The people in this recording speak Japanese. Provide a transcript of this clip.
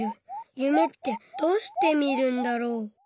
夢ってどうして見るんだろう？